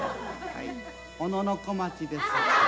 はい小野小町です。